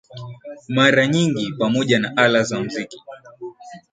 mara nyingi pamoja na ala za muziki